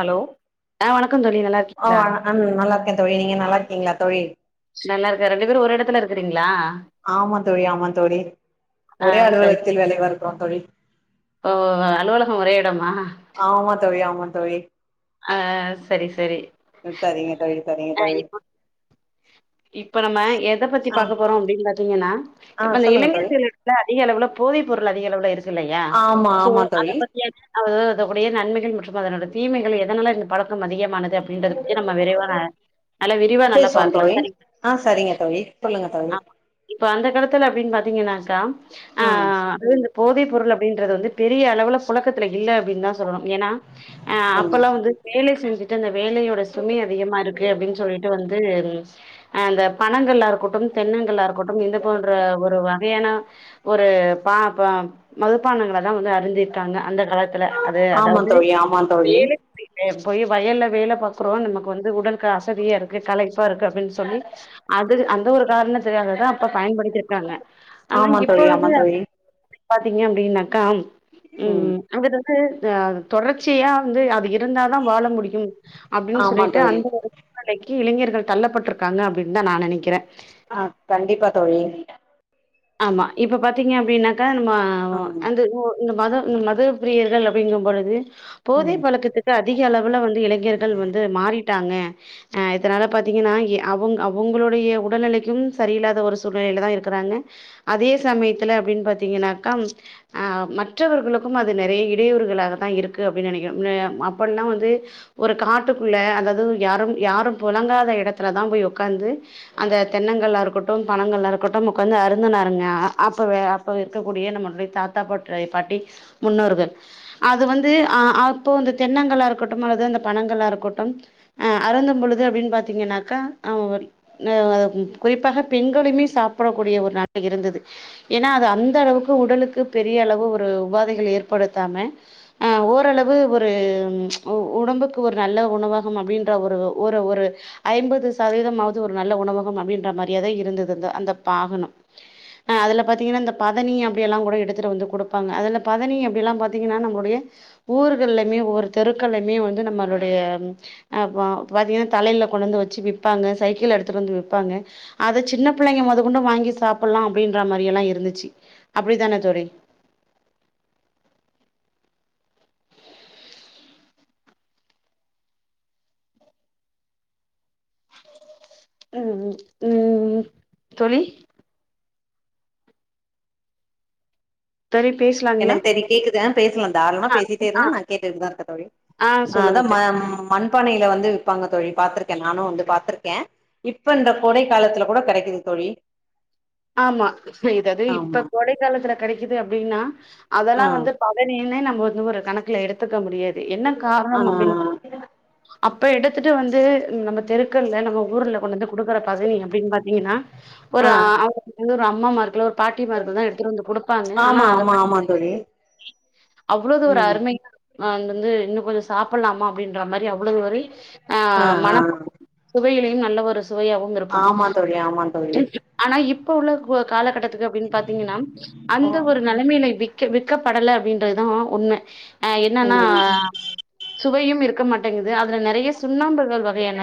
Hello ஆஹ் வணக்கம் தோழி ஆ நல்லாருக்கீங்களா நல்லா இருக்கே தோழி நீங்க நல்லா இருக்கீங்களா தோழி நல்லா இருக்கே ரெண்டு பேரு ஒரு எடத்துல இருக்கறீங்களா ஆமா தோழி ஆம தோழி ஆ ஒரே சரி அலுவலகத்தில விலவ இருக்கிறோ தோழி ஓ அலுவலகம் ஒரே இடமா ஆமா தோழி ஆமா தோழி ஆ சரி சரி சரிங்க தோழி சரிங்க அ தோழி இப்போ இப்போ நம்ம எத பத்தி ஆ பாக்க போறோ அப்படின் பாத்தீங்கன்னா ஆ இப்ப அந்த சொல்லுங்க இலங்கை தோழி செயலர்க்குல அதிக அளவுல போதை பொருள் அதிக அளவுல இருக் குல்லையா ஆமா சோ ஆமா அத தோழி பத்தி அ அது இருக்கக்குடைய நன்மைகள் மற்றும் அதனுட தீமைகள எ ஐன்னால இந்த படொ க்கும் அதிகமானது அப்டின்றது பத்தி நம்ம விரைவான நல்ல விரிவா நல்லா பேசுவோ பாக்லா சரி சரி இப்ப அந்த காலத்துல அப்டின் பாத்தீங்கன்னாக்கா ஆ அது இந்த போதை பொருள் அப்டின்றது வந்து பெரிய அளவுல புழக்கத் துல இல்ல அப்டின் தா சொல்லணு ஏன்னா ஆ ம் அப்பல்லா வந்து வேலை செஞ்சுட் வேலையோட சுமை அதிகமா இருக்கு அப்டின்னு சொல்லிட்டு வந்து அந்த பணங்கள்லா இருக்கட்டும் தென்னங்கல்லா இருக்கட்டும் இது போன்ற ஒரு வகையான ஒரு பா பா மதுப்பானங்கள லா வந்து அறிந்திருக்காங்க அந்த காலத்துல அது ஆமா அதாவது தோழி ஆமா தோழி வேலைக்கு போய்ட்டு போய் வயல்ல வேல பாக்குறோ நமக்கு வந்து உடல்க்கு அசதியா இருக்கு கலை ப்பா இருக்கு அப்டின் சொல்லி அது அந்த ஒரு காரணத்துக்காக தா அப்ப பயன்படுத்திருக்காங்க ஆனா ஆமா தோழி இப்பொழுது ஆமா அ தோழி பாத்தீங்க அப்டின்னாக்கா ம் அடுத்தது ஆ தொடர்ச்சியா வந்து அது எ இருந்தா தா வாழ முடியு அப்டின் ஆமா சொல்லிட்டு தோழி அந்த ஒரு சூழ்நிலைக்கு இளைஞர்கள் தள்ளப்பட்ருக்காங்க அப்டின் தா நா நெனக்கிற ஆ கண்டிப்பா தோழி ஆமா இப்ப பாத்தீங்க அப்டின்னா க நா ம் அந்த நூ இந்த மத இந்த மத பிரியர்கள் அப்டிங்கும் பொழுது போதை ம் பழக்கத்துக்கு அதிக அளவுல வந்து இளைஞர்கள் வந்து மாறி டாங்க அ இதனால பாத்தீங்கன்னா இ அவங் அவங்களுடைய உடல்நிலைக்கும் சரியில்லாத ஒரு சூழ்நிலையில தா இருக்குறாங்க அதே சமயத்துல அப்டின் பாத்தீங்கன்னாக்கா ஆ மற்றவர்களுக்கும் அது நெறைய இடையூறுகளாகத்தா இருக்கு அப்டி நெனக்கிறோ னா அப்பல்லா வந்து ஒரு காட்டுக்குள்ள அதாது யாரும் யாரும் புழங்காத எடத்துலதா போய் உக்காந்து அந்த தென்னங்கள்லா இருக்கட்டு பனங்கள்லா இருக்கட்டும் உக்காந்து அர [unintelligible] அப்ப அப்ப இருக்கக்கூடிய நம்மளுடைய தாத்தா பற்றை பாட்டி முன்னோர்கள் அது வந்து அ அப்போ அந்த தென்னங்களா இருக்கட்டும் அல்லது அந்த பனங்கல்லா இருக்கட்டும் அ அரந்தும் பொழுது அப்டின்னு பாத்தீங்கன்னாக்கா ஆ ஒ எ குறிப்பாக பெண்களுமே சாப்பிடக்கூடிய ஒரு ந இருந்தது ஏனா அது அந்த அளவுக்கு உடலுக்கு பெரிய அளவு ஒரு உபாதைகள் ஏற்படுத்தாம அ ஓரளவு ஒரு ஒ ஒடம்புக்கு ஒரு நல்ல உணவகம் அப்டின்ற ஒரு ஒரு ஒரு ஐம்பது சதவீதம் ஆவது ஒரு நல்ல உணவகம் அப்டின்ற மாரியாதா இருந்தது இந்த அந்த பாகனொ ஆ அதுல பாத்தீங்கன்னா அந்த பதனி அப்டியெல்லாங் கூட எடுத்துட்டு வந்து குடுப்பாங்க அதுல பதனி அப்டி எல்லா பாத்தீங்கன்னா நம்ளுடைய ஊர்கள்ளமே ஒவ்வொரு தெருக்கள்லயுமே வந்து நம்மளுடைய அ வ பாத்தீங்கன்னா தலைல கொண்டு வந்து வச்சு விப்பாங்க சைக்கிள்ல எடுத்துட்டு வந்து விப்பாங்க அத சின்ன பிள்ளைங்க மொதக்கொண்டு வாங்கி சாப் புல்லா அப்டின்ற மாரி எல்லா இருந்துச்சு அப்டித்தானே தோழி ம் ம் தோழி தோழி பேசலாங்களா எனக்கு தெரிய கேக்குது பேசலா தாராளமா பேசிட்டே இருங்க நா கேட்டுட்டுதா இருக்க தோழி ஆ சொல்லுங்க அதா தோ மண்பானையில வந்து விப்பாங்க தோழி பாத்துரு நானும் வந்து பாத்துருக்கே இப்ப இந்த கோடை காலத்துல கூட கெடைக்குது தோழி ஆமா செய்தது இப்ப ஆமா கோடை காலத்துல கெடைக்குது அப்டின்னா அதெல்லா ஆ வந்து பதனி கீழ் நம்ம வந்து ஒரு கணக்குல எடுத்துக்க முடியாது என்ன ஆ காரணம் அப்டீன்ற அ இப்போ எடுத்துட்டு வந்து நம்ம தெருக்கள்ல்ல நம்ம ஊர்ல கொண்டந்து குடுக்குற பதனி அப்டின்னு பாத்தீங்கன்னா ஒரு ஆ இன்னொறு அம்மா மார்கலா பாட்டி மார்கள் தா எடுத்துட்டு வந்து கொடுப்பாங்க ஆனா ஆமா அத ஆமா ஆமா தோழி அவ்வளோதொரு ம் அருமை ம் வந்து இன்னு கொஞ்ச சாப்பிட்லாமா அப்டின்ற மாரி அவ அவளது ஒரு ஆ ஆ மனப்ப சுவையில நல்ல ஒரு சுவையாகவு இருக்கும் ஆமா தோழி ஆமா தோழி ஆனா இப் இப்ப உள்ள காலகட்டத்துக்கு அப்டின் பாத்தீங்கன்னா அந்த ஒரு நெலமையில இன்னிக் வி விற்கப்படல அப்படின்றதா உண்ம ஹே என்னன்னா ம் சுவையும் இருக்க மாட்டேங்குது அதுல நெறைய சுண்ணாம்ப னோறு வகையான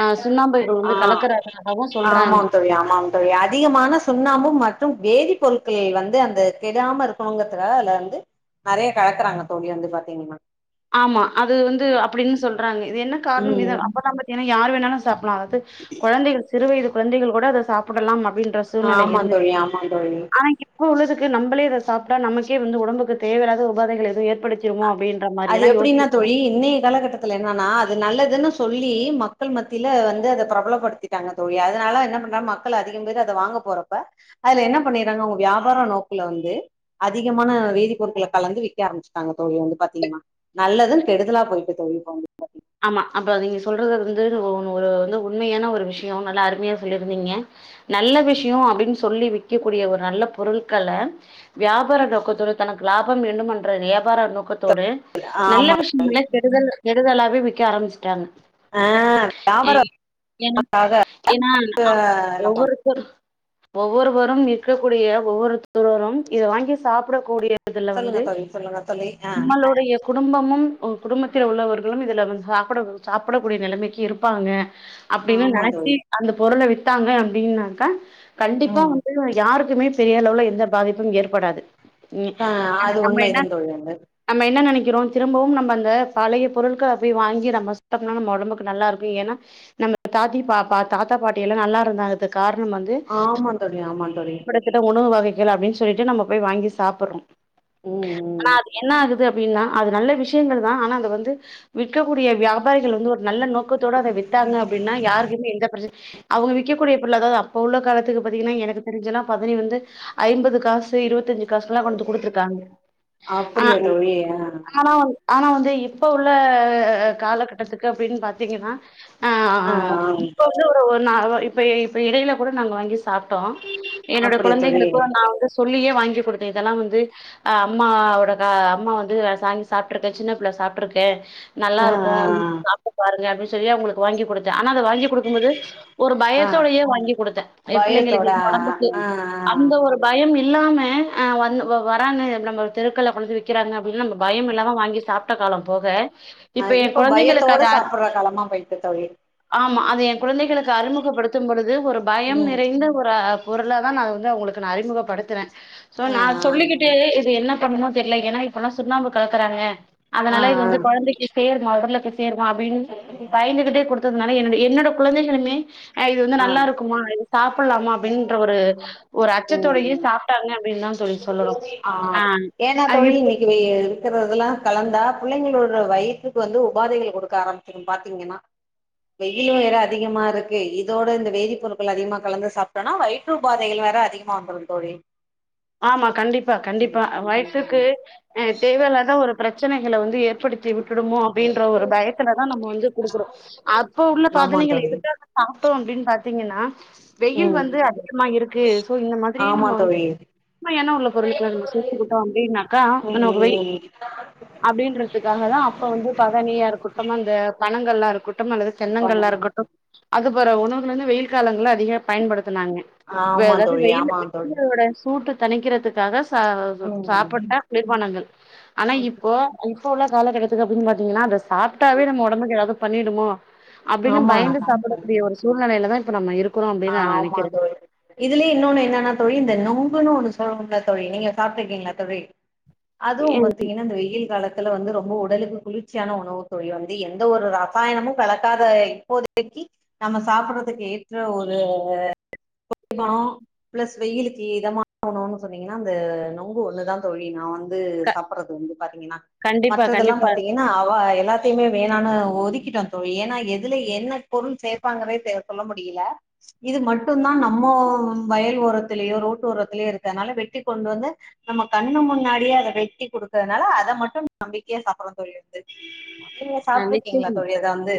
அ சுண்ணாம்ப வந்து ஆ கலக்கறாங்க தாகவு சொல்றாங்க ஆமாம் தோழி ஆமாம் தோழி அதிகமான சுண்ணாம்பு மற்றும் வேதி பொருள்கள் வந்து அந்த கெடாம இருக்கணுங்கறதுக்காக ஆமா அது வந்து அப்படின்னு சொல்றாங்க இது என்ன காரணம் இது ம் அப்பதாம்பட்டி யார் வேணாலும் சா அதாவது குழந்தைகள் சிறு வயது கொழந்தைகள் கூட அத சாப்பிடலாம் மாட் ஆமா தோழி ஆமா தோழி ஆனா இப்ப உள்ளதுக்கு நம்மளே இத சாப்ட்டா நமக்கே வந்து ஒடம்புக்கு தேவயில்லாத உபாதைகள் எது ஏற்படுத்திடுமோ அப்டின்னு அது எப்டின்னா தோழி இன்னைைய காலகட்டத்துல என்னன்னா அது நல்லதுன்னு சொல்லி மக்கள் மத்தியில வந்து அத பிரபலப்படுத்திட்டாங்க தோழி அதனால என்ன பண்றாங்க மக்கள் அதிகம் பேர் அத வாங்க போறப்ப அதுல என்ன பண்ணிறாங்க அவுங்க வியாபார நோக்ல வந்து அதிகமான வேதிப்பொருட்களை கலந்து விக்க ஆரம்பிச்சட்டாங்க தோழி வந்து பா பாத்தீங்கன்னா நல்லதும் கெடுதலா போயிட்டு தோழி ஆமா அப்ப நீங்க சொல்றது வந்து ஒரு உண்மையான ஒரு விஷயம் நல்லா அருமையா சொல்லிருந்தீங்க நல்ல விஷயம் அப்டின்னு சொல்லி விக்கக்கூடிய ஒரு நல்ல பொருட்கல வியாபார நோக்கத்தோடு நல்ல ஆமா விஷயங்களை கெடுதல் கெ இது நல்லாவே வி க்க ஆரம்பிச்சிட்டாங்க ஆ ஏ வியாபாரக்காக ஏன்னா ஏன்னா எல்லா பண் ஒவ்வொருத்தருக் ஒவ்வொருவரும் விற்கக்கூடிய ஒவ்வொருத்தரும் இத வாங்கி சாப்பிடக்கூடிய இதுல சொல்லுங்க வந்து தோழி சொல்லுங்க தோழி ஆ நம்மளுடைய குடும்பமும் உங்க குடும்பத்தில் உள்ளவர்களும் இதுல வந் சாப்பிட சாப்பிடக்கூடிய நிலைமைக்கு இருப்பாங்க அப்படின்னு ஆமா நெனச்சி தோழி அந்த பொருள வித் ட்டாங்க அப்டின்னாக்க கண்டிப்பா ம் வந்து யாருக்குமே பெரிய அளவுல எந்த பாதிப்பும் ஏற்படாது ம் ஆ ஆனா அது நம்ம என்ன உண்மைதா தோழி வந்து நம்ம என்ன நெனைக் கிறோ திரும்பவும் நம்ம அந்த பழைய பொருட்கள வாங்கி நம்ம சுத்தமா நம்ம ஒடம்புக்கு நல்லா இருக்கு ஏன்னா நம் தாத்தி பா தாத்தா பாட்டி எல்லா நல்லா இருந்தாக்கு காரண ம் வந்து ஆமா அந்த தோழி ஆமா காலத்தில தோழி பயன்படுத்திட உணவு வகை கள் அப்படின் சொல்லிட்டு நம்ம போய் வாங்கி சாப்படுறோம் ம் ஆனா ம் அது என்ன ஆகுது அப்டின்னா அது நல்ல விஷயங்கள் தா ஆனா அது வந்து விற்கக்கூடிய வியாபாரி கள் வந்து ஒரு நல்ல நோக்கத்தோட அத வித்தாங்க அப்டினா யாருக்குமே எந்த பிரச் அவங்க விறக்கக்கூடிய பொருள் அதாவது அப்ப உள்ள காலத்துக்கு பாத்தீங்கன்னா எனக்கு தெரிஞ்சலா பதனி வந்து ஐம்பது காசு இருபத்தஞ்சு காசலா கொண்டு வந்து கொடுத்துருக்காங்க ஆ அப்படியா தோழி ஆ ஆனா ஆனா வந் து இப்ப உள்ள த காலகட்டத்துக்கு அப்படின்னு பாத்தீங்கன்னா ஆ இப்ப வந்து ஒரு நா இப்ப இப்ப இடையில கூட நாங்க வாங்கி சாப்பிட்டோ என்னோட அப்படியா தோழி குழந்தைகளுக்கு நா வந்து சொல்லியே வாங்கி கொடுத்தே இதெல்லா வந்து அ அம்மாவோட கா அம்மா வந்து சாங்கி சாப்ட்டுருக்கே சின்ன புள்ள சாப்ட்டுருக்கே நல்லா ஆ இருக்கு ஆ சாப்ட்டு பாருங்க அப்டி செரியா உங்களுக்கு வாங்கி கொடுத் தே ஆனா அத வாங்கி குடுக்கும்போது ஒரு ஆ ஆ பயத்தோடையே வாங்கி கொடுத்தே ஏ பிள்ளைங்களுக்கு பயத்தோட ஒடம்புக்கு ஆ ஆ அந்த ஒரு பயம் எ ல்லாம அ வந் வ வராங்க நம்ம தெருக்கள கொண்டந்து விக் க்கராங்க அப்டினா நம்ம பயமில்லாம வாங்கி சாப்ட் ட காலம் போக ஆ இப்ப எ பயத்தோட கொழந்தைகளுக்காக அத் சாப்பிடுற காலமா போயிட்டு தோழி ஆமா அது எ குழந்தைகளுக்கு அறிமுகப்படுத்தும் பொழுது ஒரு பயம் ம் நிறைந்த ஒரு பொருளாதா நா வந்து அவங்களுக்கு நா அறிமுகப்படுத்துறே சோ ஆ நா சொல்லிக்கிட்டே இது என்ன ப்ப ஒண்ணு பண்ணுமோ தெரில ஏன்னா இப்பல்லா சுண்ணாம்பு கலக்கறாங்க ஆ ஆ அதனால இது வந்து கொழந்தைக்கு [unintelligible] போய் சேருவா அப்டின்னு பயந்துகிட்டே கொடுத்ததுனால என்னுடைய என்னோட கொழந்தைகளுமே ஆ இது வந்து நல்லா இருக்குமா இது சாப்லாமா அப்டின்ற ஒரு ஒரு ம் அச்சத்தோடையே ம் சாப்ட்டாங்க அப்டின்னுதா தோழி சொல்லனு ஆ அது இரு இருக்கறதெல்லா கலந்தா புள்ளைங்களோட வயிற்றுக்கு வந்து உபாதைகள் குடுக்க ஆரம்பிச்சுரு பாத்தீங்கன்னா வெயிலு வேற அதிகமா இருக்கு இது இதோட இந்த வேதிப்ப பொருட்கள் அதிகமா கலந்து சாப்ட்டோனா வயிற்று உபாதைகள் வேற அதிகமா வந்துரு தோழி ஆமா கண்டிப்பா ம் கண்டிப்பா ம் வயித்துக்கு ம் ஹே தேவையில்லாத ஒரு பிரச்சன ங்கள வந்து ஏற்ப் படுத்தி விட்டுமோ அப்டின்ற ஒரு பயத்துலதா நம்ம வந்து கொடுக்கறோ அப்ப உள்ள ஆமா பதனிகள் தோழி இது தா நம்ம சாப்டோ அப்டின் பாத் பாத்தீங்கன்னா வெயில் ம் வந்து அதிகமா இருக்கு சோ இந்த மாதிரி நம்ம ஆமா வந் தோழி சும்ம ஏன்னா உள்ள பொருளுகளா சொல்லிட்டு போட்ட அப்படின்னாக்கா நமம வெய் ம் அப்டின்றதுக்காகதா அப்ப வந்து பதனியா இருக்கு அப்பறமா இந்த பணங்கள்லாருக் அல்லது தென்னங்கள்லா பண்ணனு இருக்கட்டு அதுப் வற உணவுகருந்து வெயில் காலங்கள்ல அதிக பயன்படுத் ராங்க ஆமா அதாவது தோழி வெயில் ஆமா தோழி வெயிலோட சுட்டு தணிக்கிறதுக்காக சா ம் சாப்புட்ட குளிர்பானங்கள் ஆனா இப்போ இப்ப உள்ள கால கட்டத்த அப்டின்னு பாத்தீங்கனா வெஸ் சாப்ட்டாவே நம்ம ஒடம்புக்கு ஏதாது பண்ணிடுமோ அப்டின்னு ஆமா பயந்து சாப்டக்கூடிய ஒரு சூழ்நிலைலதா இப்ப நம்ம இருக் ஆமா தோழி இதுலயு இன்னோனு என்னன்னா தோழி இந்த நொங் குனு ஒண்ணு சொல்வோமில்ல தோழி நீங்க சாப்ட்ருக்கிங்ளா தோழி? அதுவு பாத்திங்கன்னா இந்த வெய்யில் காலத் துல வந்து ரொம்ப உடலுக்கு குளிர்ச்சியான உணவு தோழி வந்து எந்த ஒரு ரசாயனமு கலக்காத இப்போதைக்கி நம்ம சாப்படறதுக் ஏத்த ஒரு [inaudible] ப்ளஸ் வெயிலுக்கு இதமான உணவுன் சொன்னிங்கனா அந்த நொங்கு ஒண்ணுதா தோழி நா வந் து சாப்பட்றது வந்து பாத்திங்கன்னா கண்டிப்பா மற்றதெல்லா கண்டிப்பா பாத்திங்கன்னா அவ எல்லாத்தையுமே வேணான்னு ஒதுக்கிட்டோ தோழி ஏன்னா எதுல என்ன பொருள் சேப்பாங்கனே தெ சொல்ல முடி யல இது மட்டுந்தா நம்மோ வயல் ஓரத்திலயோ ரோட்டோரத்திலயோ இருக்கனால வெட்டி கொண்டு வந்து நம்ம கண்ணு முன்னாடியே அத வெட்டி குடுக்கறனால அத மட்டு நம்பிக்கையா சாப்பட்றோ தோழி வந்து நீங்க அ சாப்ட்ருக்கீங்களா நிச்சயம் தோழி அத வந்து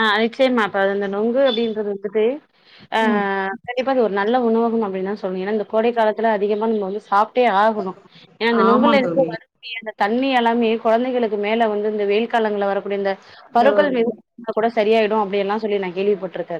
ஆ நிச்சயமா இப்ப அது அந்த நுங்கு அப்டின்றது [unintelligible] ஆ ஆ ம் ஆ இப்ப அது ஒரு நல்ல உணவகம் அப்டின்தா சொல்லனு ஏன்னா இந்த கோடை காலத்துல அதிகமா நம்ம வந்து சாப் டே ஆகணு. ஏன்னா அந்த ஆமா நொங்குல இருந்து தோழி வரிக்கூடிய அந்த தண்ணி எல்லாமே கொழந்தைகளுக்கு மேல வந்து இந்த வெயில் காலங்கள்ல வரு அப்டிந்த இந்த பருக்கள் மீது [inaudible] கூட சொ சரியாயிடு அப்டியல்லா சொல்லி நா கேள்விப்பட்ருக்கே.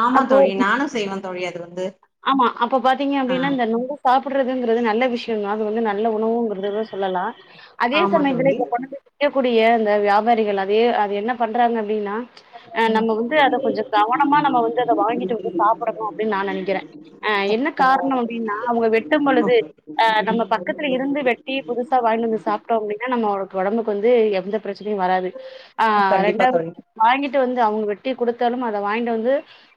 ஆமா அப்போ தோழி நானு செய்வே தோழி அது வந்து ஆமா அப்ப பாத்தீங்க ஆ அப்டின்னா இந்த நொங்கு சாப் ப்ட்றதுங்கறது நல்ல விஷ் [unintelligible] அது வந்து நல்ல உணவுங்கறத சொல்லலா. அதே ஆமா சமயத்துல தோழி இத கொண்டந்து விக்க கூடிய அந்த வியாபாரிகள் அதயே அத என்ன பண்றாங்க அப்டின்னா ஆ ம் நம்ம வந்து அத கொஞ்சொ கவனமா நம்ம வந்து அத வாங்கிட்டு வந்து சாப்டணு அப்டின்னு நா நெனைக்கறே. ஆ என்ன கரெக்ட் காரணொ அப்டின்னா அவங்க வெட்டம்பொழுது ஆ நம்ம பக்கத்துல இருந்து வெட்டி புதுசா வாய்ன்டு வந்து சாப்ட்டோ அப்டின்னா நம்மக்கு ஒடம்புக்கு வந் து எந்த பிரச்சனையு வராது. ஆ கண்டிப்பா ரெண்டாவது தோழி வாங்கிட் வந்து அவங்க வெட் வெட்டி குடுத்தாலும் அத வாங்கிட் வந்து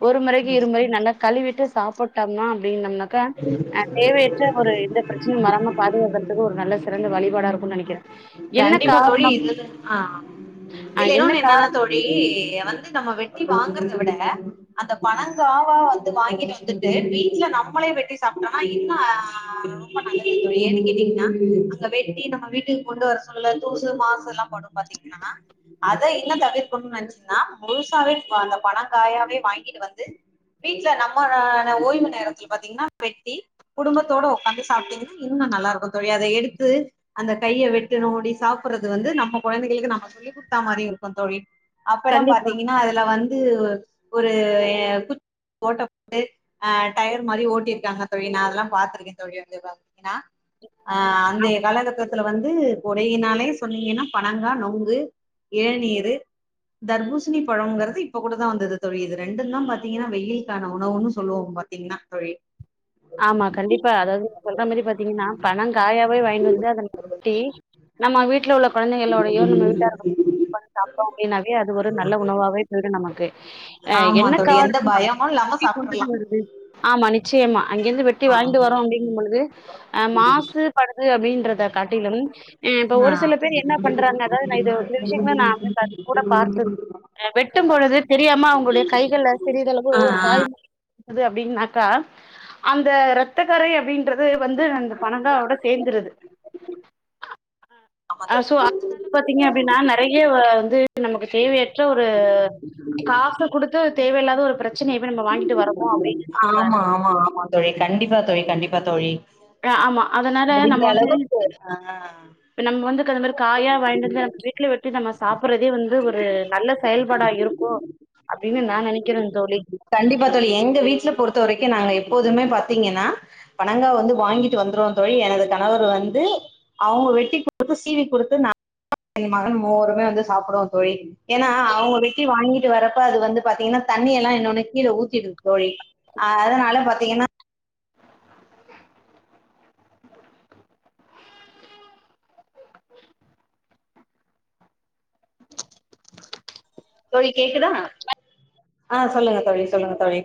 ஒரு மொறைக்கு ம் இரு மொறை நல்லா கழுவிட்டு சாப்ப ட்டம்னா அப்டின்னம்னாக்க அ தேவையற்ற ஒரு இந்த பிரச்சனையு வராம பாதுகாக்றதுக்கு ஒரு நல்ல சிறந்த வழிபாடா இருக்கு நெனைக்கறே. என்ன கண்டிப்பா தோழி காரணம் இதுல ஆ அ இதுல என்ன இன்னொன்னு என்னன்னா காரணம் தோழி வந்து நம்ம வெட்டி வாங்கறத விட அந்த பனங்காவா வந்து வாங்கி வந்துட்டு வீட்ல நம்மளே வெட்டி சாப்ட்டோன்னா இன்ன அ ரொம்ப நல்லது தோழி. ஏன்னு கேட்டீங்கன்னா அங்க வெட்டி நம்ம வீட்டுக்கு கொண்டு வர சூழல், தூசு, மாசு எல்லா படு பாத்தீங்ன்னா. அத இன்ன தவிர்க்கணும்னு நெனச்சீங்ன்னா முழுசாவே அந்த பனங்காயாவே வாங்கி வீடு வந்து வீட்ல நம்மலான ஓய்வு நேரத்ல பாத்தீங்ன்னா வெட்டி குடும்பத்தோட ஒக்காந்து சாப்ட்டிங்கனா இன்னு நல்லாருக்கு தோழி. அத எடுத்து அந்த கைய வெட்டுணோ அப்டி சாப்பட்றது வந்து நம்ம கொழந்தைகளுக்கு நம்ம சொல்லி குடுத்தா மாரீயு இருக்கு தோழி. அப்பேல்லா கண்டிப்பா பாத்தீங்ன்னா அதுல வந் து ஒரு து ஏ குத் ஓட்ட போட்டு ஆ டயர் மாரி ஓட்டிருக்காங்க தோழி நா அதல்லா பாத்திருக்கே தோழி வந்து இப்ப [unintelligible] ஆ ஆ அந்தைய காலகட்டத்துல வந் து கொடையினாலே சொன்னீங்கன்னா பனங்கா நொங்கு ஏழ்நீரு தர்பூசணி பழங்கறது இப்ப கூடதா வந்தது தோழி இது ரெண்டுல்லா பாத்தீங்கன்னா வெயில்கான உணவுன்னு சொல்லுவோ பாத்தீங்ன்னா தோழி ஆமா கண்டிப்பா அதாவது நீங்க சொல்ற மாரி பாத்தீங்கன்னா பணங் காயாவே வாங்கிண்டு வந்து அத வெட்டி நம்ம வீட்ல உள்ள கொழந்தைகளோடயு நம்ம [unintelligible] உக்காந்து சாப்ட்டோ அப்டின்னாவே அது ஒரு நல்ல உணவாவே போயிடு நமக்கு அ ஆமா என்ன தோழி எந்த காரணோ பயமு அங்கேயே இல்லாம வெட்டி கொண்டுட்டு சாப்ட்றலா வருது ஆமாங் நிச்சயம் அங்கிருந்து வெட்டி ஆ வாங்ட்டு வரோ அப்டிங்கும் பொழுது அ மாசு படுது அப்டின்றத காட்டிலும் அ இப்ப ஆ ஒரு சில பேர் என்ன பண்றாங்க அதாவது நா இது இந்த விஷயங்கள நா வந்து கண் கூடா பாத்துருக்கே அ வெட்டும் பொழுது தெரியாம அவுங்களுடைய கைகள்ல சிறியதளவு ஆ ஆ ஓர காயம் அது அப்டின்னாக்க அந்த ரத்த கறை அப்டின் டுறது வந்து அந்த பனங்கா ஓட சேந்துறது ஆமா அ தோழி சோ அதனால பாத்தீங்க அப்டின்னா நறைய வ வந்து ம் நமக்கு தேவையற்ற ஒரு காச குடுத்து தேவையில்லாத ஒரு பிரச்சனைய போய் நம்ம வாங்கிட்டு வரோ ஆமா ஆமா ஆமா தோழி கண்டிப்பா தோழி கண்டிப் பா தோழி அ ஆமா அதனால நம்ம முடிஞ்ச வந்து அளவு ஆ நம்ம வந்து [unintelligible] காயா வாயின்டு வந்து நம்ம வீட்ல வெட்டி நம்ம சாப்புற்றதே வந்து ஒரு நல்ல செயல்பாடா இருக்கு அப்டின்னு நா நெனைக்கிறே தோழி இப்போதைக்கு நாங்க எப்போதுமே பாத்தீங்கன்னா பனங்கா வந்து வாங்கிட்டு வந்துருவோந் தோழி எனது கணவர் வந்து அவங்க வெட்டி குடுத்து சீவிகுடுத்து நா என் மகன் மூவருமே வந்து சாப்புடுவோ தோழி ஏன்னா அவங்க வெட்டி வாங்கி ட்டி வரப்ப அது வந்து பாத்தீங்ன்னா தண்ணி எல்லா இன்னொன்னு கீழ ஊத்திடுது தோழி ஆ அதனால பாத்தீங்கன்னா தோழி கேக்குதா ஆ சொல்லுங்க தோழி சொல்லுங்க தோழி